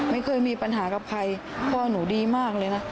ไม่เคยมีปัญหากับใครพ่อหนูดีมากเลยนะ